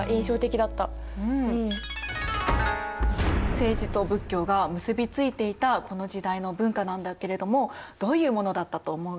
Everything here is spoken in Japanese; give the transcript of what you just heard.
政治と仏教が結び付いていたこの時代の文化なんだけれどもどういうものだったと思う？